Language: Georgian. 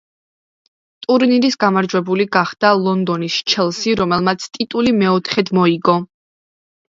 ტურნირის გამარჯვებული გახდა ლონდონის „ჩელსი“, რომელმაც ტიტული მეოთხედ მოიგო.